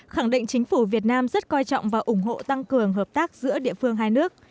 khẳng định chính phủ việt nam rất coi trọng và ủng hộ tăng cường hợp tác giữa địa phương hai nước